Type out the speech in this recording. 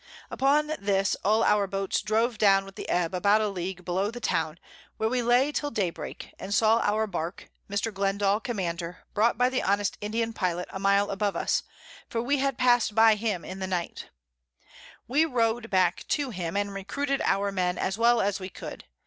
Upon this all our Boats drove down with the Ebb about a League below the Town, where we lay till Daybreak, and saw our Bark, Mr. Glendall Commander, brought by the honest Indian Pilot a Mile above us, for we had passed by him in the Night: We rowed back to him, and recruited our Men as well as we could.